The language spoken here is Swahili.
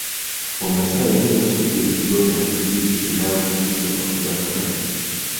Wamasai hunywa supu yenye gome na mizizi inayopunguza mafuta moyoni